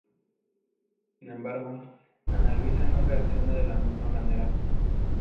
Sin embargo, Ana Luisa no reacciona de la misma manera.